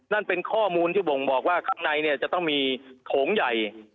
นั่นเป็นข้อมูลที่บ่งบอกว่าข้างในจะต้องมีโถงใหญ่